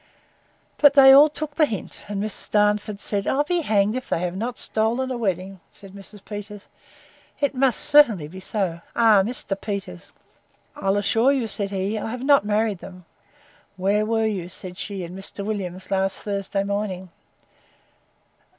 But they all took the hint; and Miss Darnford said, I'll be hanged if they have not stolen a wedding! said Mrs. Peters, It must certainly be so! Ah! Mr. Peters. I'll assure you, said he, I have not married them. Where were you, said she, and Mr. Williams, last Thursday morning?